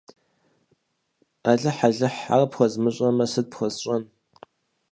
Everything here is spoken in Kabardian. Алыхь-алыхь, ар пхуэзмыщӀэмэ, сыт пхуэсщӀэн!